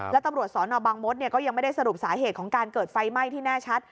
แล้วตำรวจสอนอบางมศก็ยังไม่ได้สรุปสาเหตุของการเกิดไฟไหม้ที่แน่ชัด